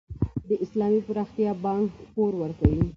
د اسلامي پراختیا بانک پور ورکوي؟